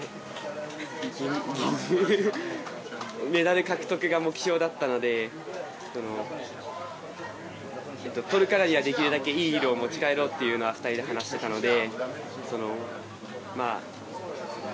メダル獲得が目標だったのでとるからには、できるだけいい色を持ち帰ろうって２人で話していたので。